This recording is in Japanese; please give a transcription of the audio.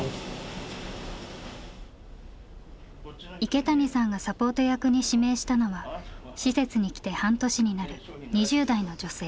池谷さんがサポート役に指名したのは施設に来て半年になる２０代の女性。